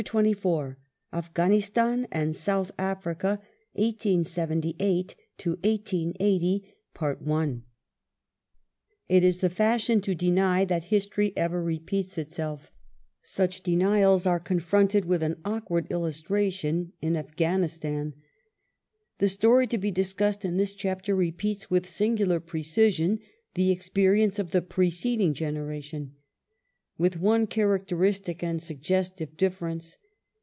3. 30 466 AFGHANISTAN, SOUTH AFRICA, IRELAND [1876 I CHAPTER XXIV AFGHANISTAN, SOUTH AFRICA, AND IRELAND T is the fashion to deny that history ever repeats itself. Such denials are confronted with an awkward illustration in Afghanistan. The story to be disclosed in this chapter repeats with singular precision the experience of the preceding generation. With one characteristic and suggestive difference.